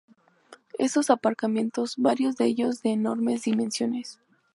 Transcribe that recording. Estos aparcamientos, varios de ellos de enormes dimensiones